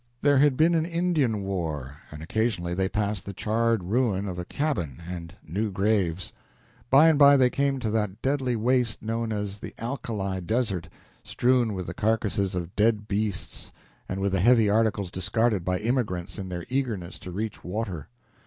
There had been an Indian war, and occasionally they passed the charred ruin of a cabin and new graves. By and by they came to that deadly waste known as the Alkali Desert, strewn with the carcasses of dead beasts and with the heavy articles discarded by emigrants in their eagerness to reach water.